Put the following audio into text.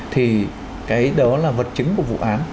thì cái đó là vật chứng của vụ án